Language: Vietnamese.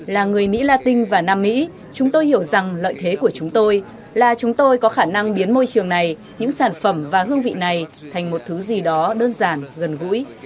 là người mỹ latin và nam mỹ chúng tôi hiểu rằng lợi thế của chúng tôi là chúng tôi có khả năng biến môi trường này những sản phẩm và hương vị này thành một thứ gì đó đơn giản gần gũi